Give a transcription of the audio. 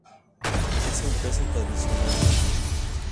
Es un queso tradicional.